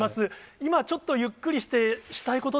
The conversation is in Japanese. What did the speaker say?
今ちょっとゆっくりしたいことっ